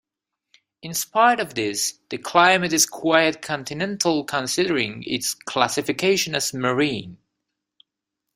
In spite of this, the climate is quite continental considering its classification as marine.